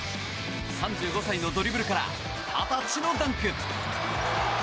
３５歳のドリブルから二十歳のダンク。